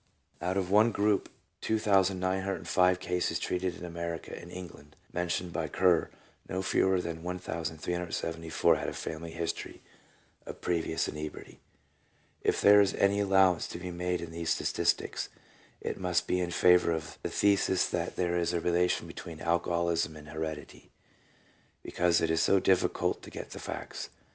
Out of one group of 2,905 cases treated in America and England, men tioned by Kerr, no fewer than 1,374 had a family history of previous inebriety. If there is any allowance to be made in these statistics it must be in favour of the thesis that there is a relation between alcoholism and heredity, because it is so difficult to get the facts.